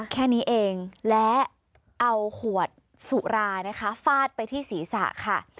แค่นี้เองและเอาขวดสุรานะคะฟาดไปที่ศีรษะค่ะ